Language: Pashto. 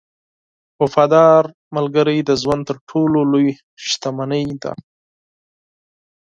• وفادار ملګری د ژوند تر ټولو لوی شتمنۍ ده.